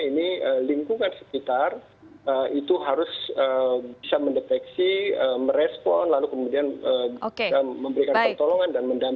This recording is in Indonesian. ini lingkungan sekitar itu harus bisa mendeteksi merespon lalu kemudian memberikan pertolongan dan mendampingi